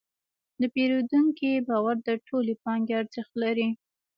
د پیرودونکي باور د ټولې پانګې ارزښت لري.